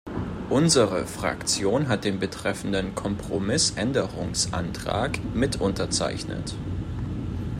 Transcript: Unsere Fraktion hatte den betreffenden Kompromissänderungsantrag mitunterzeichnet.